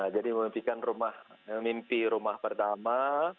jadi memimpikan mimpi rumah pertama